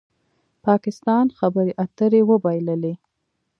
پاکستان خبرې اترې وبایللې